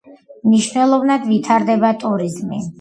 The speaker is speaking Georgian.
მნიშვნელოვნად ვითარდება ტურიზმი.